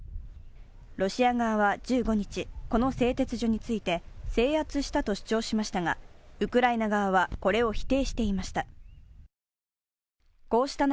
ロシア側は１５日、この製鉄所について、制圧したと主張しましたがウクライナ側はこれを否定していました。